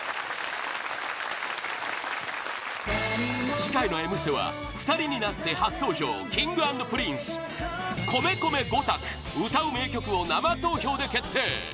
次回の「Ｍステ」は２人になって初登場Ｋｉｎｇ＆Ｐｒｉｎｃｅ米米５択歌う名曲を生投票で決定！